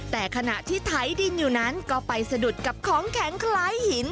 แต่ขณะที่ไถดินอยู่นั้นก็ไปสะดุดกับของแข็งคล้ายหิน